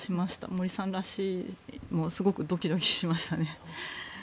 森さんらしくてすごくドキドキしましたね。